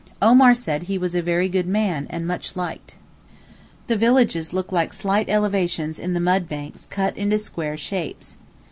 Omar said he was a very good man and much liked. The villages look like slight elevations in the mud banks cut into square shapes.